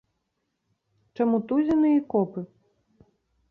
Чаму тузіны і копы?